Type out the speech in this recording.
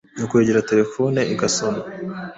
nuko yagera telefone igasona